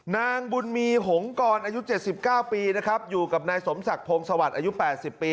นางบุญมีหงกรอายุ๗๙ปีนะครับอยู่กับนายสมศักดิ์พงศวรรค์อายุ๘๐ปี